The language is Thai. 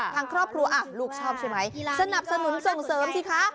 ทางครอบครัวลูกชอบใช่ไหมสนับสนุนส่งเสริมสิคะ